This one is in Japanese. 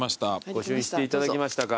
御朱印していただきましたか。